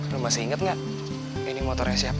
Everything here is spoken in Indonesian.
lo masih inget gak ini motornya siapa